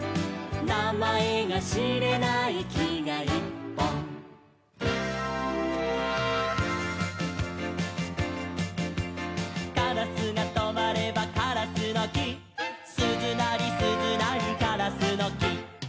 「なまえがしれないきがいっぽん」「カラスがとまればカラスのき」「すずなりすずなりカラスのき」